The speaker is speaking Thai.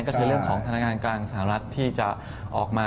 เป็นประเทศเรื่องของธนการกลางสหรัฐที่จะออกมา